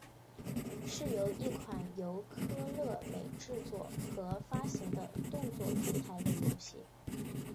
是一款由科乐美制作和发行的动作平台类游戏。